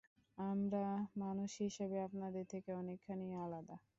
আমরা মানুষ হিসেবে আপনাদের থেকে অনেকখানিই আলাদা।